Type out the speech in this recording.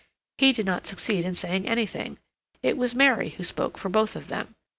He did not succeed in saying anything. It was Mary who spoke for both of them.